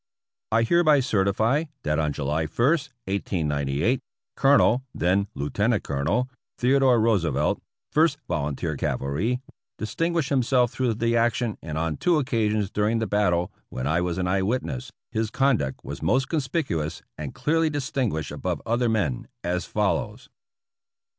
I hereby certify that on July i, 1898, Colonel (then Lieutenant Colonel) Theodore Roosevelt, First Volunteer Cavalry, distinguished himself through the action, and on two occasions during the battle when I was an eye witness, 302 APPENDIX E his conduct was most conspicuous and clearly distinguished above other men, as follows : 1.